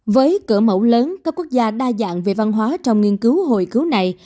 với cửa mẫu lớn các quốc gia đa dạng về văn hóa trong nghiên cứu hồi cứu này